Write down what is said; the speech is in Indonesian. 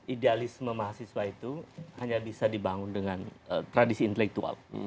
idealisme mahasiswa itu hanya bisa dibangun dengan tradisi intelektual